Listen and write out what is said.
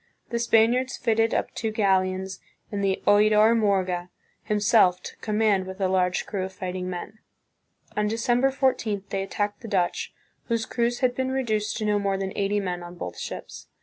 The Spaniards fitted up two galleons and the Oidor Morga himself took com mand with a large crew of fighting men. On December 14, they attacked the Dutch, whose crews had been reduced to no more than eighty men on both ships.